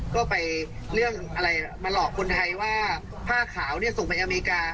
ก็มารอกคนไทยว่าผ้าขาวส่งไปอเมริกา